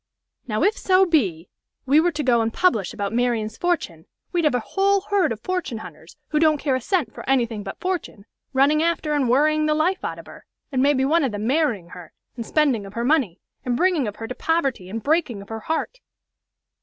Now if so be we were to go and publish about Marian's fortune, we'd have a whole herd of fortune hunters, who don't care a cent for anything but fortune, running after and worrying the life out of her, and maybe one of them marrying of her, and spending of her money, and bringing of her to poverty, and breaking of her heart.